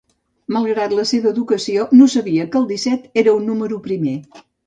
Malgrat la seva educació, no sabia que el disset era un nombre primer.